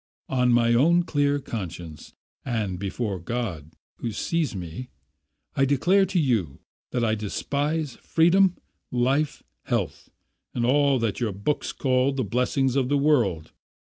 On my own clear conscience and before God who sees me I declare to you that I despise freedom, life, health, and all that your books call the blessings of the world.